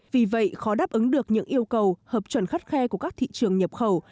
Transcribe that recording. vì vậy khó đáp ứng được những yêu cầu hợp chuẩn khắt khe của các thị trường nhập khẩu